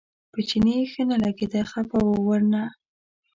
په چیني ښه نه لګېده خپه و ورنه.